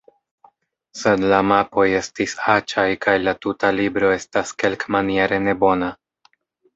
Sed la mapoj estis aĉaj kaj la tuta libro estas kelkmaniere nebona.